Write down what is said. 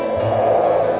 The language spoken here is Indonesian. kamu sudah menjadi milikku